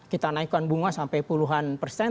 kita naikkan bunga sampai puluhan persen